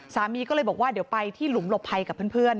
สามีก็เลยบอกว่าเดี๋ยวไปที่หลุมหลบภัยกับเพื่อน